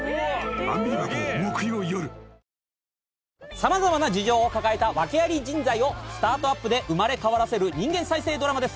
様々な事情を抱えた訳あり人材をスタートアップで生まれ変わらせる人間再生ドラマです。